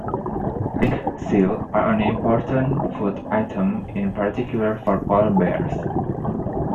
Ringed seal are an important food item in particular for polar bears.